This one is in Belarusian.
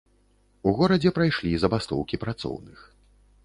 У горадзе прайшлі забастоўкі працоўных.